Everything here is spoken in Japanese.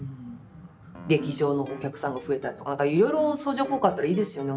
劇場のお客さんが増えたりとかいろいろ相乗効果あったらいいですよね